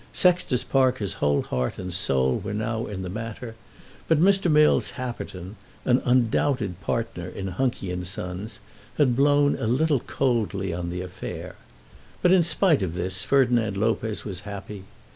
Sextus Parker's whole heart and soul were now in the matter, but Mr. Mills Happerton, an undoubted partner in Hunky and Sons, had blown a little coldly on the affair. But in spite of this Ferdinand Lopez was happy.